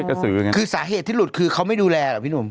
คือสาเหตุที่หลุดคือเขาไม่ดูแลเหรอพี่หนุ่ม